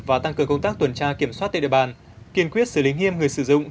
và tăng cường công tác tuần tra kiểm soát tại địa bàn kiên quyết xử lý nghiêm người sử dụng